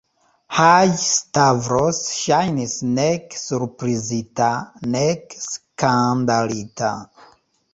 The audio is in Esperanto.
Haĝi-Stavros ŝajnis nek surprizita, nek skandalita.